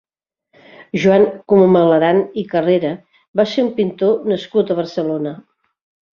Joan Commeleran i Carrera va ser un pintor nascut a Barcelona.